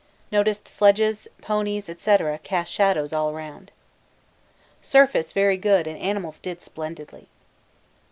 Noticed sledges, ponies, &c., cast shadows all round. Surface very good and animals did splendidly.